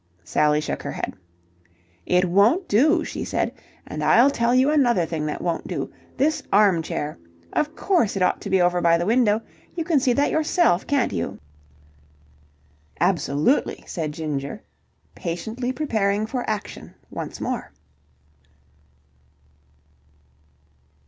Sally shook her head. "It won't do," she said. "And I'll tell you another thing that won't do. This armchair. Of course it ought to be over by the window. You can see that yourself, can't you." "Absolutely!" said Ginger, patiently preparing for action once more.